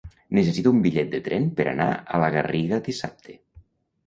Necessito un bitllet de tren per anar a la Garriga dissabte.